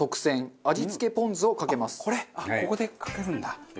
ここでかけるんだ。